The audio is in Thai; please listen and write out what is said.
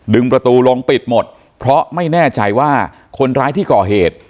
ประตูลงปิดหมดเพราะไม่แน่ใจว่าคนร้ายที่ก่อเหตุ